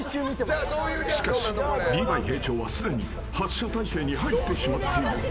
しかし、リヴァイ兵長はすでに発射体勢に入ってしまっている。